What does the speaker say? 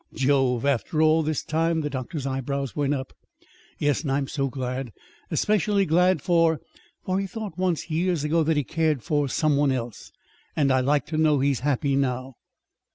"Jove! After all this time?" The doctor's eyebrows went up. "Yes. And I'm so glad especially glad for for he thought once, years ago, that he cared for some one else. And I like to know he's happy now."